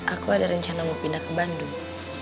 aku ada rencana mau pindah ke bandung